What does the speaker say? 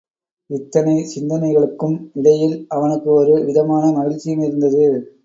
இத்தனை சிந்தனைகளுக்கும் இடையில் அவனுக்கு ஒரு விதமான மகிழ்ச்சியும் இருந்தது.